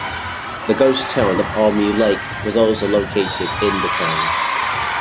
The ghost town of Army Lake was also located in the town.